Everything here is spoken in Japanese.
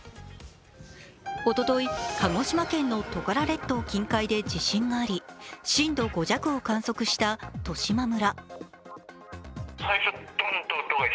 おととい、鹿児島県のトカラ列島近海で地震があり震度５弱を観測した十島村。